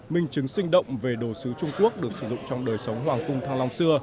minh chứng sinh động về đồ sứ trung quốc được sử dụng trong đời sống hoàng cung thăng long xưa